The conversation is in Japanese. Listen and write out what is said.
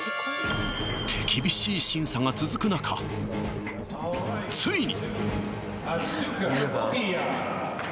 手厳しい審査が続く中ついに！